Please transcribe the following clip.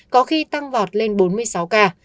có khi tăng vọt lên bốn mươi sáu ca